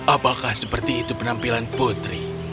apakah seperti itu penampilan putri